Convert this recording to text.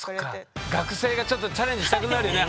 学生がちょっとチャレンジしたくなるよね